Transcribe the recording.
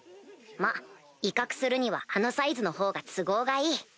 まっ威嚇するにはあのサイズのほうが都合がいい。